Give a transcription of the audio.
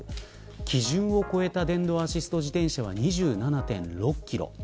基準を超えた電動アシスト自転車は２７．６キロ。